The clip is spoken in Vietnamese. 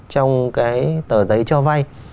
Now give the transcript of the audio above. trong cái tờ giấy cho vay